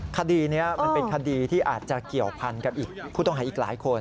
คดีนี้มันเป็นคดีที่อาจจะเกี่ยวพันกับอีกผู้ต้องหาอีกหลายคน